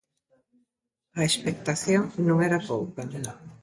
A expectación non era pouca.